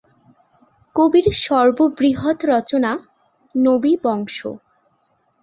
কবির সর্ববৃহৎ রচনা নবী বংশ।